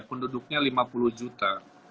penduduknya lima puluh juta